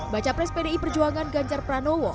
baca pres pdi perjuangan ganjar pranowo